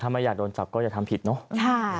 ไม่อยากโดนจับก็อย่าทำผิดเนอะ